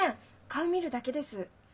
顔見るだけです。